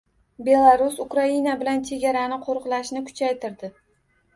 Belarus Ukraina bilan chegarani qo‘riqlashni kuchaytirdi